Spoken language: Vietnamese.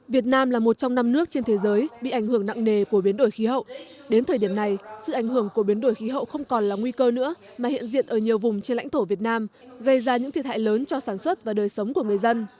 việt nam là một trong năm nước trên thế giới bị ảnh hưởng nặng nề của biến đổi khí hậu đến thời điểm này sự ảnh hưởng của biến đổi khí hậu không còn là nguy cơ nữa mà hiện diện ở nhiều vùng trên lãnh thổ việt nam gây ra những thiệt hại lớn cho sản xuất và đời sống của người dân